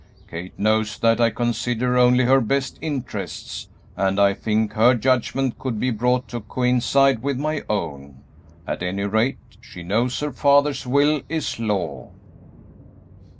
Kate knows that I consider only her best interests, and I think her judgment could be brought to coincide with my own. At any rate, she knows her father's will is law."